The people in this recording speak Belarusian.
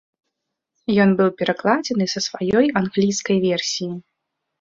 Ён быў перакладзены са сваёй англійскай версіі.